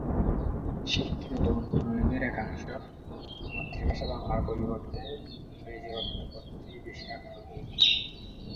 শিক্ষিত তরুণ-তরুণীদের একাংশ মাতৃভাষা বাংলার পরিবর্তে ইংরেজি রপ্ত করতেই বেশি আগ্রহী।